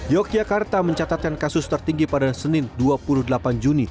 yogyakarta mencatatkan kasus tertinggi pada senin dua puluh delapan juni